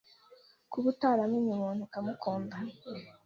Kuba utaramenye umuntu ukamukunda